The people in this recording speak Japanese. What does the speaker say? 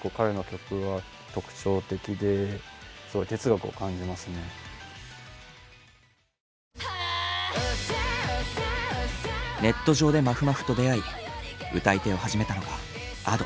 だからネット上でまふまふと出会い歌い手を始めたのがＡｄｏ。